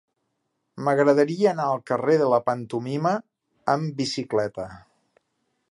M'agradaria anar al carrer de la Pantomima amb bicicleta.